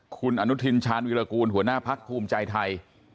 คุณอนุทินชาญวิรากูลหัวหน้าพักภูมิใจไทย